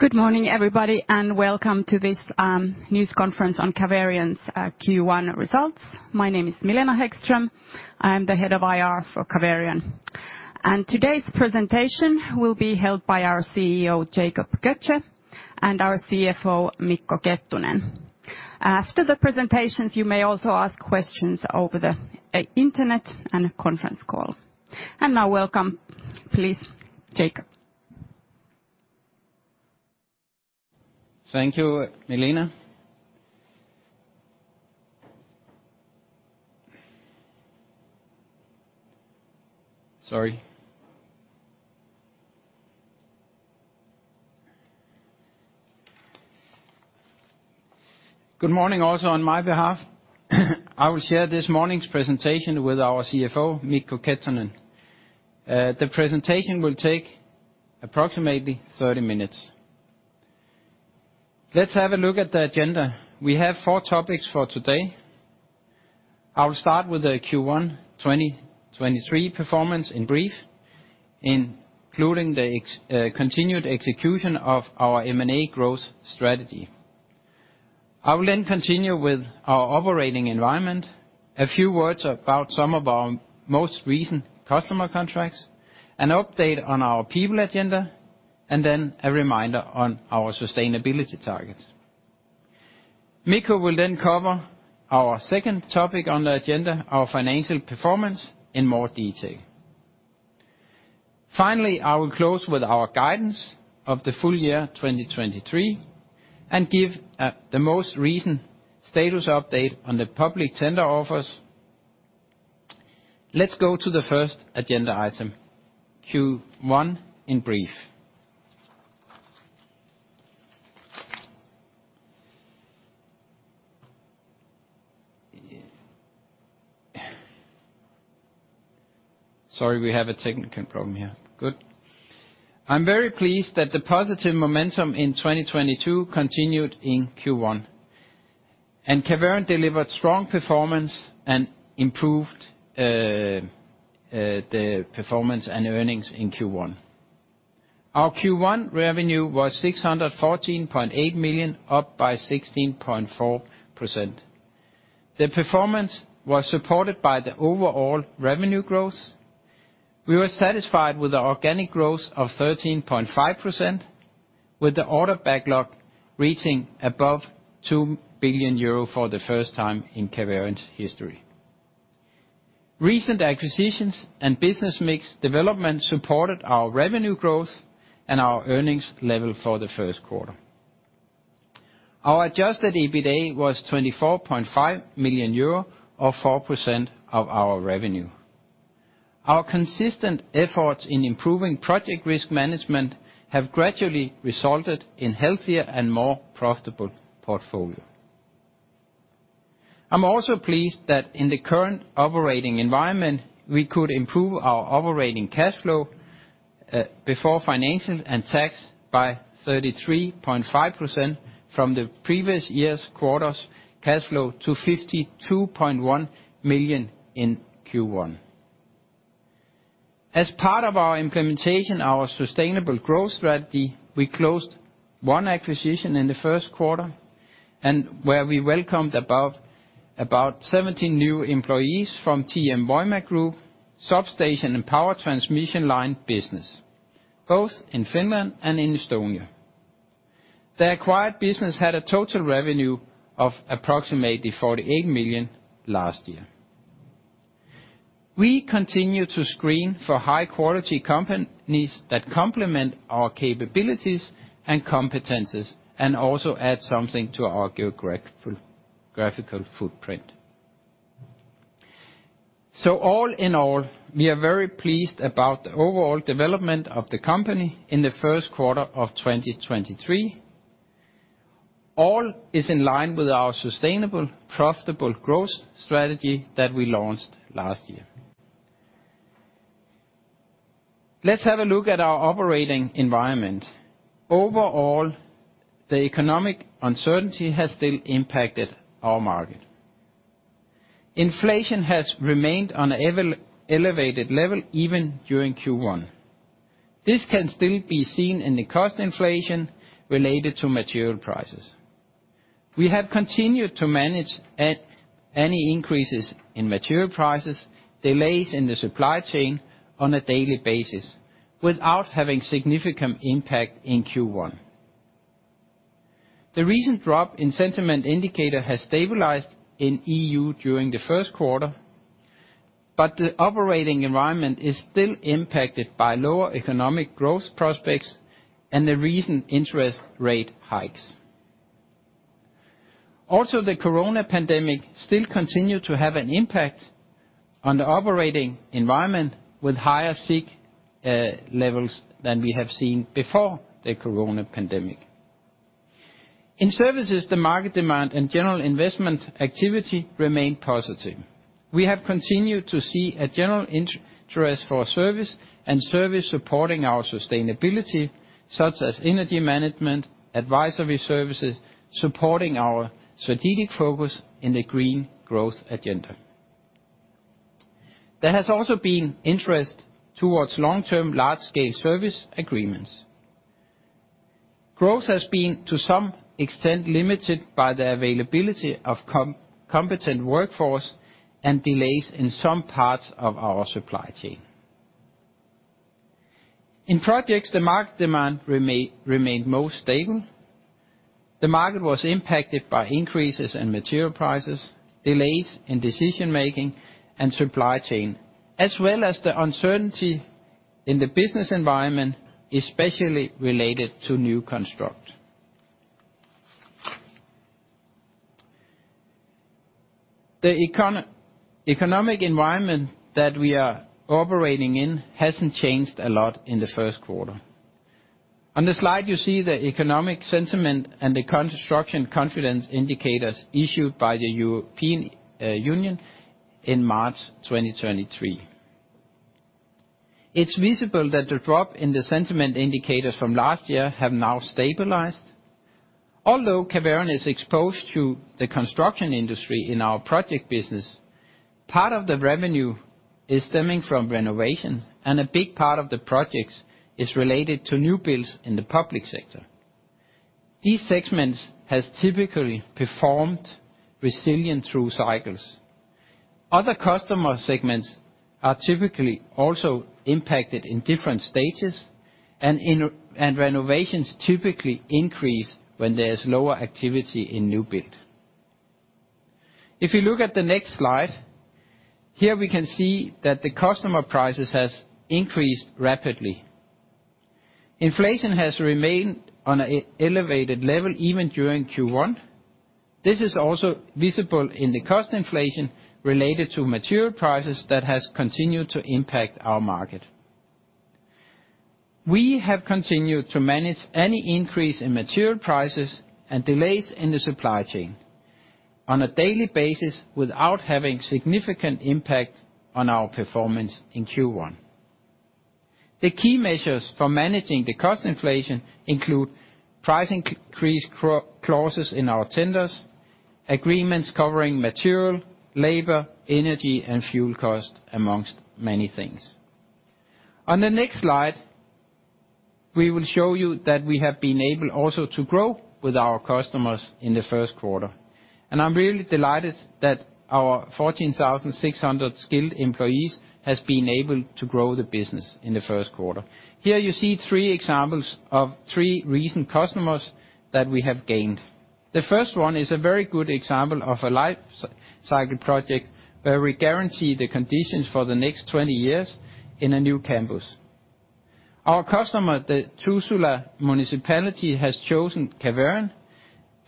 Good morning, everybody, and welcome to this news conference on Caverion's Q1 results. My name is Milena Hæggström. I am the Head of IR for Caverion. Today's presentation will be held by our CEO, Jacob Götzsche, and our CFO, Mikko Kettunen. After the presentations, you may also ask questions over the internet and conference call. Now welcome, please, Jacob. Thank you, Milena. Sorry. Good morning also on my behalf. I will share this morning's presentation with our CFO, Mikko Kettunen. The presentation will take approximately 30 minutes. Let's have a look at the agenda. We have four topics for today. I'll start with the Q1 2023 performance in brief, including the continued execution of our M&A growth strategy. I will then continue with our operating environment, a few words about some of our most recent customer contracts, an update on our people agenda, and then a reminder on our sustainability targets. Mikko will then cover our second topic on the agenda, our financial performance in more detail. Finally, I will close with our guidance of the full year 2023 and give the most recent status update on the public tender offers. Let's go to the first agenda item, Q1 in brief. Sorry, we have a technical problem here. Good. I'm very pleased that the positive momentum in 2022 continued in Q1. Caverion delivered strong performance and improved the performance and earnings in Q1. Our Q1 revenue was 614.8 million, up by 16.4%. The performance was supported by the overall revenue growth. We were satisfied with the organic growth of 13.5%, with the order backlog reaching above 2 billion euro for the first time in Caverion's history. Recent acquisitions and business mix development supported our revenue growth and our earnings level for the first quarter. Our adjusted EBITA was 24.5 million euro, or 4% of our revenue. Our consistent efforts in improving project risk management have gradually resulted in healthier and more profitable portfolio. I'm also pleased that in the current operating environment, we could improve our operating cash flow before finances and tax by 33.5% from the previous year's quarter's cash flow to 52.1 million in Q1. As part of our implementation, our sustainable growth strategy, we closed one acquisition in the first quarter, and where we welcomed about 70 new employees from TM Voima group, substation and power transmission line business, both in Finland and in Estonia. The acquired business had a total revenue of approximately 48 million last year. We continue to screen for high-quality companies that complement our capabilities and competencies, and also add something to our geographical footprint. All in all, we are very pleased about the overall development of the company in the first quarter of 2023. All is in line with our sustainable, profitable growth strategy that we launched last year. Let's have a look at our operating environment. Overall, the economic uncertainty has still impacted our market. Inflation has remained on an elevated level even during Q1. This can still be seen in the cost inflation related to material prices. We have continued to manage at any increases in material prices, delays in the supply chain on a daily basis without having significant impact in Q1. The recent drop in sentiment indicator has stabilized in E.U. during the first quarter, but the operating environment is still impacted by lower economic growth prospects and the recent interest rate hikes. The corona pandemic still continue to have an impact on the operating environment with higher sick levels than we have seen before the corona pandemic. In services, the market demand and general investment activity remain positive. We have continued to see a general interest for service, and service supporting our sustainability, such as energy management, advisory services, supporting our strategic focus in the green growth agenda. There has also been interest towards long-term large-scale service agreements. Growth has been, to some extent, limited by the availability of competent workforce and delays in some parts of our supply chain. In projects, the market demand remained most stable. The market was impacted by increases in material prices, delays in decision-making and supply chain, as well as the uncertainty in the business environment, especially related to new construct. The economic environment that we are operating in hasn't changed a lot in the first quarter. On this slide, you see the economic sentiment and the construction confidence indicators issued by the European Union in March 2023. It's visible that the drop in the sentiment indicators from last year have now stabilized. Although Caverion is exposed to the construction industry in our project business, part of the revenue is stemming from renovation, and a big part of the projects is related to new builds in the public sector. These segments has typically performed resilient through cycles. Other customer segments are typically also impacted in different stages, and renovations typically increase when there is lower activity in new build. If you look at the next slide, here we can see that the customer prices has increased rapidly. Inflation has remained on an elevated level even during Q1. This is also visible in the cost inflation related to material prices that has continued to impact our market. We have continued to manage any increase in material prices and delays in the supply chain on a daily basis without having significant impact on our performance in Q1. The key measures for managing the cost inflation include price increase clauses in our tenders, agreements covering material, labor, energy, and fuel costs, among many things. I'm really delighted that our 14,600 skilled employees has been able to grow the business in the first quarter. Here you see three examples of three recent customers that we have gained. The first one is a very good example of a life cycle project where we guarantee the conditions for the next 20 years in a new campus. Our customer, the Tuusula Municipality, has chosen Caverion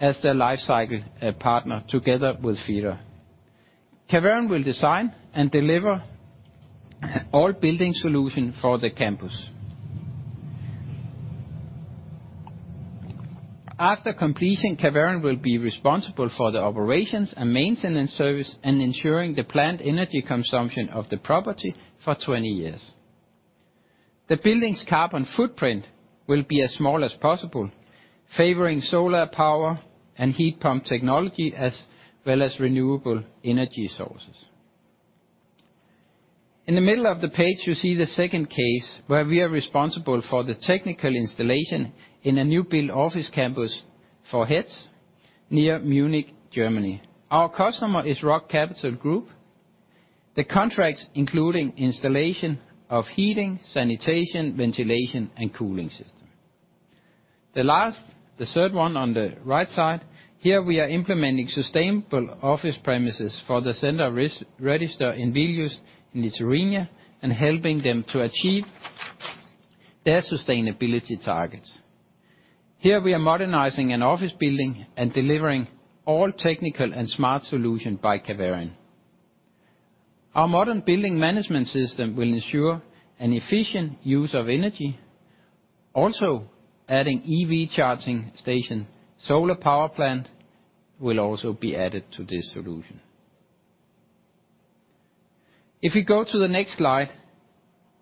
as their life cycle partner together with Fira. Caverion will design and deliver all building solution for the campus. After completion, Caverion will be responsible for the operations and maintenance service and ensuring the plant energy consumption of the property for 20 years. The building's carbon footprint will be as small as possible, favoring solar power and heat pump technology, as well as renewable energy sources. In the middle of the page, you see the second case where we are responsible for the technical installation in a new build office campus for HEADS near Munich, Germany. Our customer is Rock Capital Group. The contracts including installation of heating, sanitation, ventilation, and cooling system. The last, the third one on the right side, here we are implementing sustainable office premises for the Centre of Registers in Vilnius in Lithuania and helping them to achieve their sustainability targets. Here we are modernizing an office building and delivering all technical and smart solution by Caverion. Our modern building management system will ensure an efficient use of energy. Adding EV charging station, solar power plant will also be added to this solution. If you go to the next slide,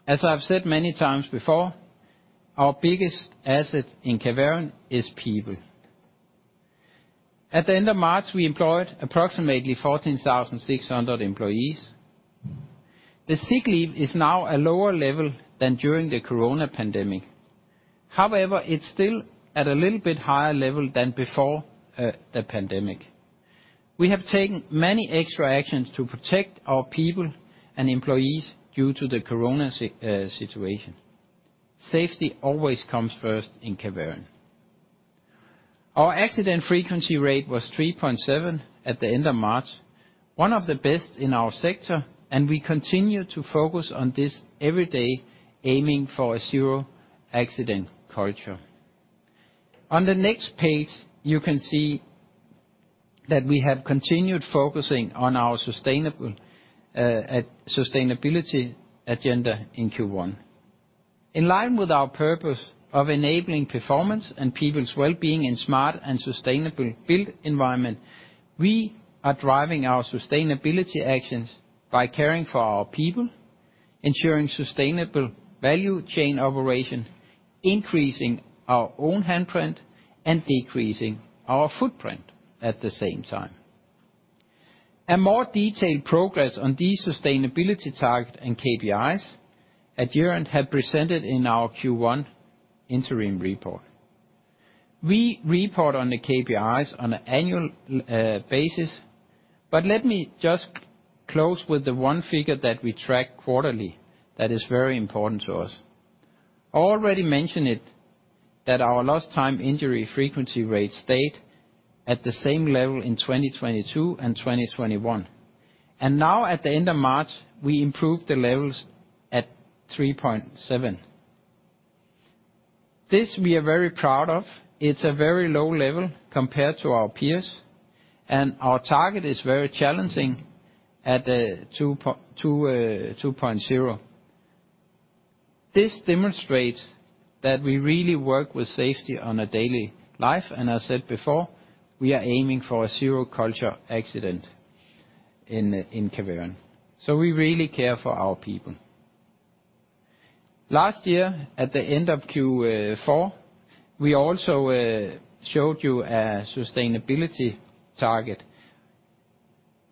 as I've said many times before, our biggest asset in Caverion is people. At the end of March, we employed approximately 14,600 employees. The sick leave is now a lower level than during the corona pandemic. However, it's still at a little bit higher level than before the pandemic. We have taken many extra actions to protect our people and employees due to the corona situation. Safety always comes first in Caverion. Our accident frequency rate was 3.7 at the end of March, one of the best in our sector, and we continue to focus on this every day, aiming for a zero accident culture. On the next page, you can see that we have continued focusing on our sustainable sustainability agenda in Q1. In line with our purpose of enabling performance and people's well-being in smart and sustainable build environment, we are driving our sustainability actions by caring for our people. Ensuring sustainable value chain operation, increasing our own handprint, and decreasing our footprint at the same time. A more detailed progress on these sustainability target and KPIs, Adrian had presented in our Q1 interim report. We report on the KPIs on an annual basis but let me just close with the one figure that we track quarterly that is very important to us. Already mentioned it, that our lost time injury frequency rate stayed at the same level in 2022 and 2021. Now, at the end of March, we improved the levels at 3.7. This we are very proud of. It's a very low level compared to our peers, and our target is very challenging at 2.0. This demonstrates that we really work with safety on a daily life. I said before, we are aiming for a zero culture accident in Caverion. We really care for our people. Last year, at the end of Q4, we also showed you a sustainability target.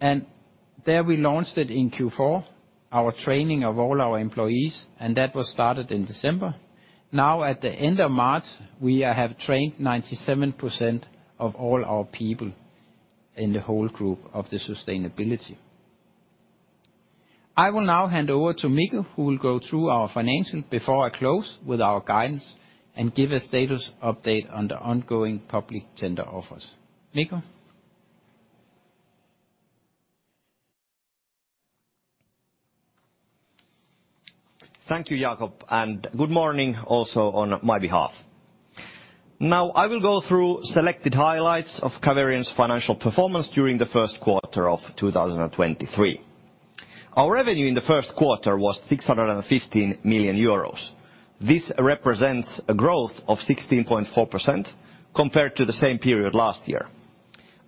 There we launched it in Q4, our training of all our employees, and that was started in December. Now at the end of March, we have trained 97% of all our people in the whole group of the sustainability. I will now hand over to Mikko, who will go through our financials before I close with our guidance and give a status update on the ongoing public tender offers. Mikko? Thank you, Jacob. Good morning also on my behalf. Now I will go through selected highlights of Caverion's financial performance during the first quarter of 2023. Our revenue in the first quarter was 615 million euros. This represents a growth of 16.4% compared to the same period last year.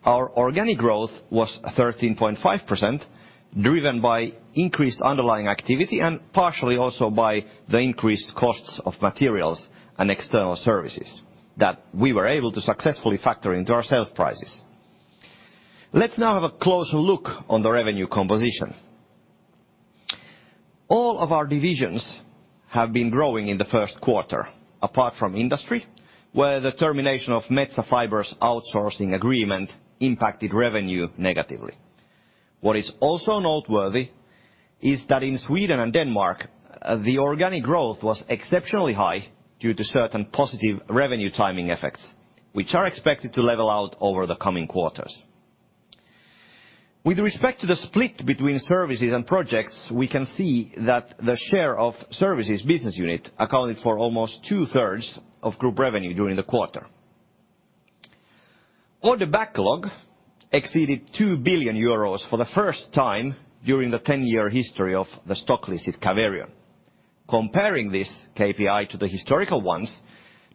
Our organic growth was 13.5%, driven by increased underlying activity and partially also by the increased costs of materials and external services that we were able to successfully factor into our sales prices. Let's now have a closer look on the revenue composition. All of our divisions have been growing in the first quarter, apart from industry, where the termination of Metsä Fibre's outsourcing agreement impacted revenue negatively. What is also noteworthy is that in Sweden and Denmark, the organic growth was exceptionally high due to certain positive revenue timing effects, which are expected to level out over the coming quarters. With respect to the split between services and projects, we can see that the share of services business unit accounted for almost 2/3 of group revenue during the quarter. Order backlog exceeded 2 billion euros for the first time during the 10-year history of the stock listed Caverion. Comparing this KPI to the historical ones,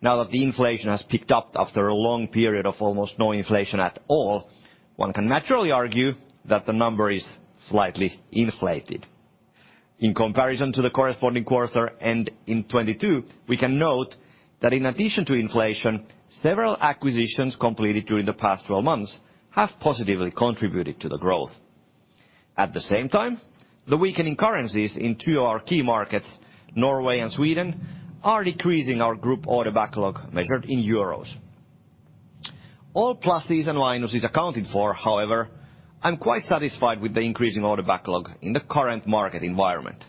now that the inflation has picked up after a long period of almost no inflation at all, one can naturally argue that the number is slightly inflated. In comparison to the corresponding quarter and in 2022, we can note that in addition to inflation, several acquisitions completed during the past 12 months have positively contributed to the growth. The weakening currencies in two of our key markets, Norway and Sweden, are decreasing our group order backlog measured in euros. All pluses and minuses accounted for, however, I'm quite satisfied with the increasing order backlog in the current market environment.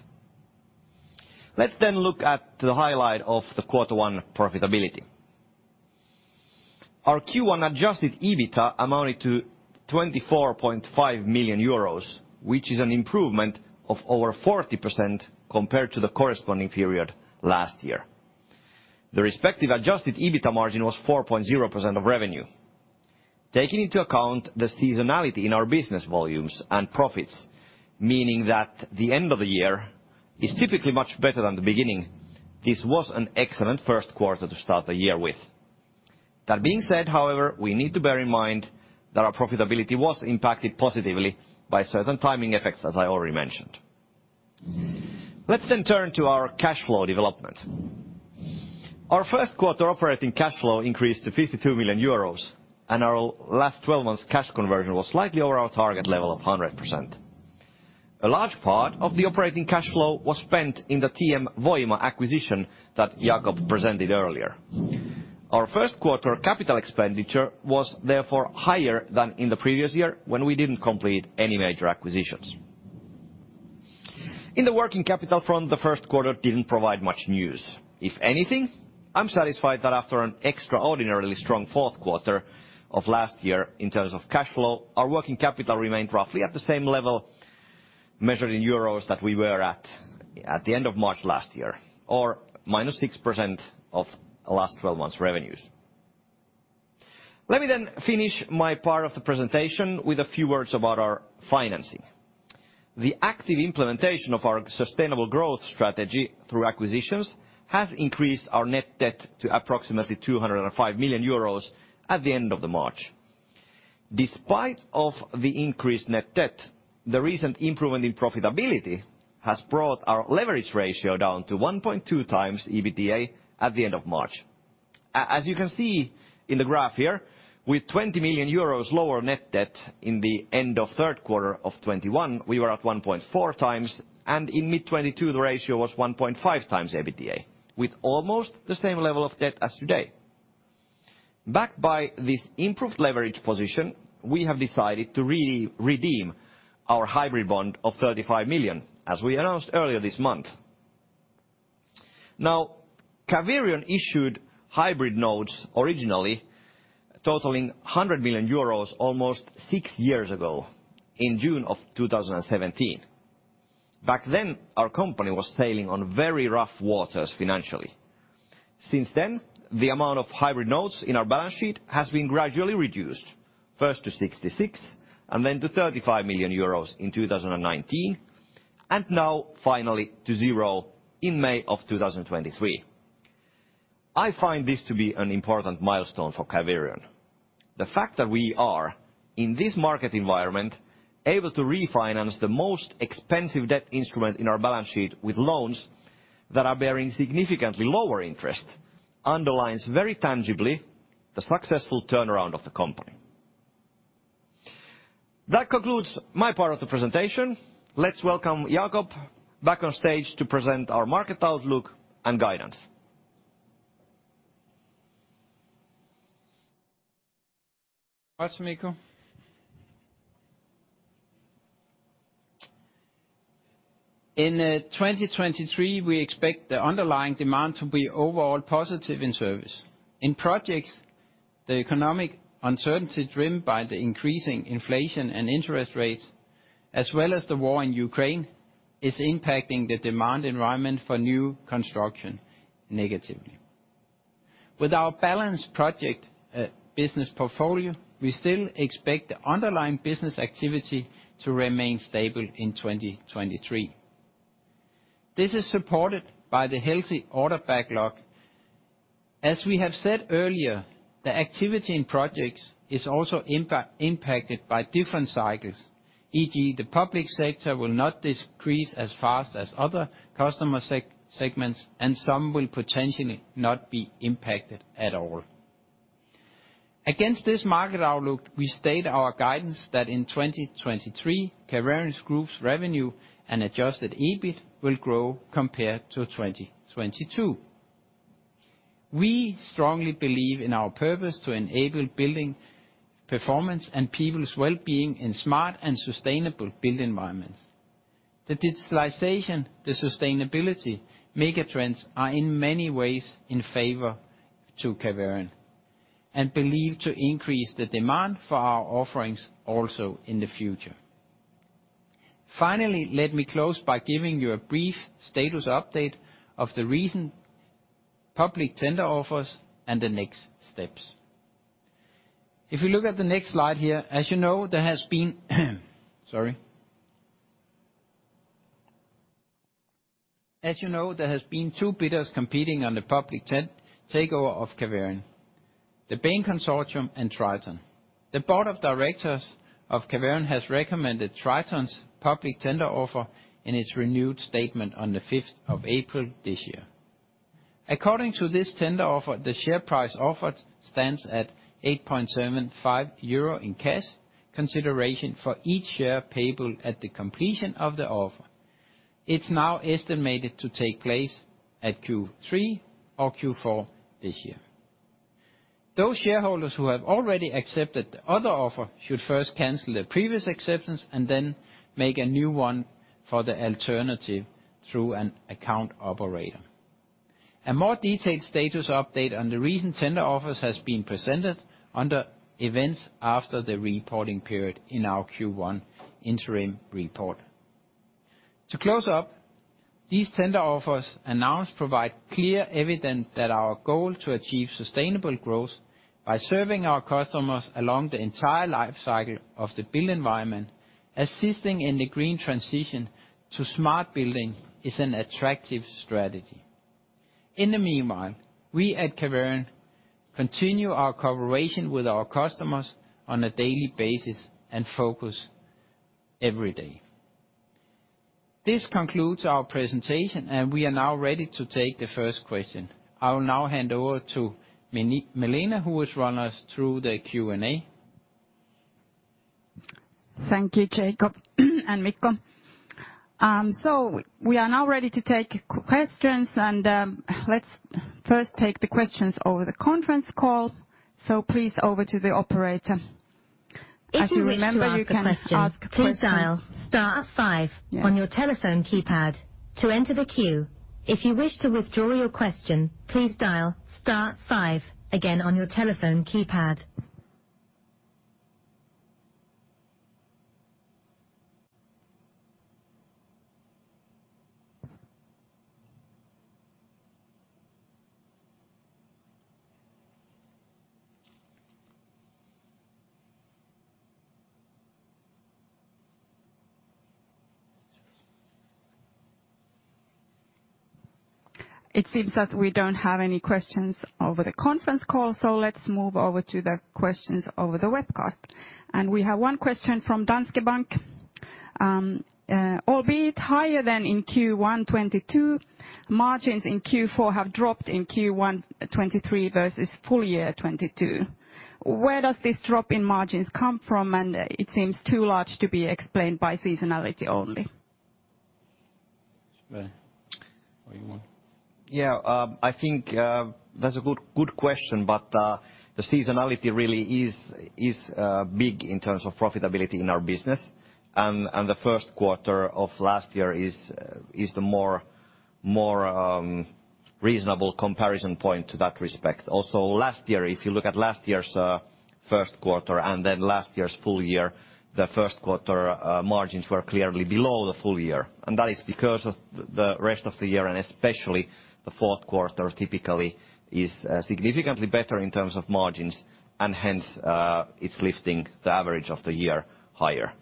Let's look at the highlight of the quarter one profitability. Our Q1 adjusted EBITA amounted to 24.5 million euros, which is an improvement of over 40% compared to the corresponding period last year. The respective adjusted EBITA margin was 4.0% of revenue. Taking into account the seasonality in our business volumes and profits, meaning that the end of the year is typically much better than the beginning, this was an excellent first quarter to start the year with. That being said, however, we need to bear in mind that our profitability was impacted positively by certain timing effects, as I already mentioned. Let's then turn to our cash flow development. Our first quarter operating cash flow increased to 52 million euros, and our last 12 months cash conversion was slightly over our target level of 100%. A large part of the operating cash flow was spent in the TM Voima acquisition that Jacob presented earlier. Our first quarter capital expenditure was therefore higher than in the previous year when we didn't complete any major acquisitions. In the working capital front, the first quarter didn't provide much news. If anything, I'm satisfied that after an extraordinarily strong fourth quarter of last year in terms of cash flow, our working capital remained roughly at the same level measured in euros that we were at the end of March last year, or -6% of last twelve months revenues. Let me finish my part of the presentation with a few words about our financing. The active implementation of our sustainable growth strategy through acquisitions has increased our net debt to approximately 205 million euros at the end of the March. Despite of the increased net debt, the recent improvement in profitability has brought our leverage ratio down to 1.2x EBITDA at the end of March. As you can see in the graph here, with 20 million euros lower net debt in the end of third quarter of 2021, we were at 1.4x, and in mid-2022, the ratio was 1.5x EBITDA, with almost the same level of debt as today. Backed by this improved leverage position, we have decided to redeem our hybrid bond of 35 million, as we announced earlier this month. Caverion issued hybrid notes originally totaling 100 million euros almost six years ago in June of 2017. Back then, our company was sailing on very rough waters financially. Since then, the amount of hybrid notes in our balance sheet has been gradually reduced, first to 66 million, and then to 35 million euros in 2019, and now finally to zero in May of 2023. I find this to be an important milestone for Caverion. The fact that we are, in this market environment, able to refinance the most expensive debt instrument in our balance sheet with loans that are bearing significantly lower interest underlines very tangibly the successful turnaround of the company. That concludes my part of the presentation. Let's welcome Jacob back on stage to present our market outlook and guidance. Thanks, Mikko. In 2023, we expect the underlying demand to be overall positive in service. In projects, the economic uncertainty driven by the increasing inflation and interest rates, as well as the war in Ukraine, is impacting the demand environment for new construction negatively. With our balanced project business portfolio, we still expect the underlying business activity to remain stable in 2023. This is supported by the healthy order backlog. As we have said earlier, the activity in projects is also impacted by different cycles. EG, the public sector will not decrease as fast as other customer segments, and some will potentially not be impacted at all. Against this market outlook, we state our guidance that in 2023, Caverion's group's revenue and adjusted EBIT will grow compared to 2022. We strongly believe in our purpose to enable building performance and people's wellbeing in smart and sustainable build environments. The digitalization, the sustainability megatrends are in many ways in favor to Caverion, and believed to increase the demand for our offerings also in the future. Finally, let me close by giving you a brief status update of the recent public tender offers and the next steps. If you look at the next slide here, Sorry. As you know, there has been two bidders competing on the public ten-takeover of Caverion, the Bain Consortium and Triton. The Board of Directors of Caverion has recommended Triton's public tender offer in its renewed statement on the 5th of April this year. According to this tender offer, the share price offered stands at 8.75 euro in cash consideration for each share payable at the completion of the offer. It's now estimated to take place at Q3 or Q4 this year. Those shareholders who have already accepted the other offer should first cancel their previous acceptance and then make a new one for the alternative through an account operator. A more detailed status update on the recent tender offers has been presented under events after the reporting period in our Q1 interim report. To close up, these tender offers announced provide clear evidence that our goal to achieve sustainable growth by serving our customers along the entire life cycle of the build environment, assisting in the green transition to smart building, is an attractive strategy. In the meanwhile, we at Caverion continue our cooperation with our customers on a daily basis and focus every day. This concludes our presentation, and we are now ready to take the first question. I will now hand over to Milena, who will run us through the Q&A. Thank you, Jacob and Mikko. We are now ready to take questions and let's first take the questions over the conference call. Please over to the operator. As you remember, you can ask a question. If you wish to ask a question, please dial star five on your telephone keypad to enter the queue. If you wish to withdraw your question, please dial star five again on your telephone keypad. It seems that we don't have any questions over the conference call. Let's move over to the questions over the webcast. We have one question from Danske Bank. Albeit higher than in Q1 2022, margins in Q4 have dropped in Q1 2023 versus full year 2022. Where does this drop in margins come from? It seems too large to be explained by seasonality only. You want... Yeah. I think that's a good question, but the seasonality really is big in terms of profitability in our business. The first quarter of last year is the more reasonable comparison point to that respect. Also, last year, if you look at last year's first quarter and then last year's full year, the first quarter margins were clearly below the full year, and that is because of the rest of the year, and especially the fourth quarter typically is significantly better in terms of margins, and hence, it's lifting the average of the year higher.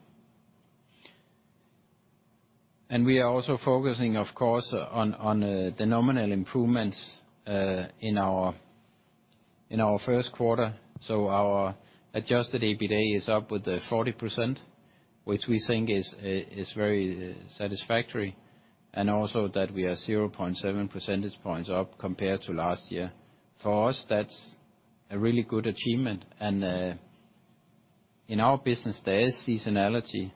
We are also focusing, of course, on the nominal improvements in our first quarter. Our adjusted EBITDA is up with 40%, which we think is very satisfactory. Also, that we are 0.7 percentage points up compared to last year. For us, that's a really good achievement. In our business, there is seasonality,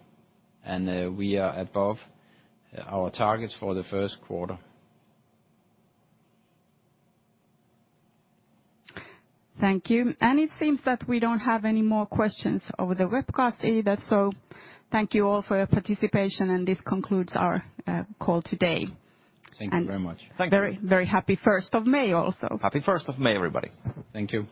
and we are above our targets for the first quarter. Thank you. It seems that we don't have any more questions over the webcast either. Thank you all for your participation, this concludes our call today. Thank you very much. Thank you. Very, very happy 1st of May also. Happy 1st of May, everybody. Thank you.